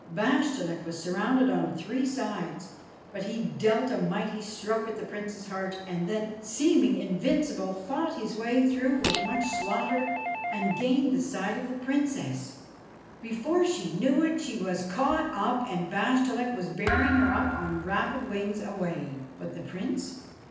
Bashtchelik was surrounded on three sides, but he dealt a mighty stroke at the Prince's heart ; and then, seeming invincible, fought his way through with much slaughter and gained the side of the Princess. Before she knew it she was caught up, and Bashtchelik was bearing her on rapid wings away. But the Prince?